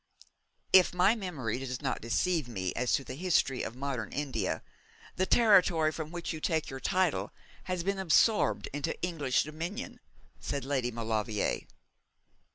'If my memory does not deceive me as to the history of modern India, the territory from which you take your title has been absorbed into the English dominion?' said Lady Maulevrier.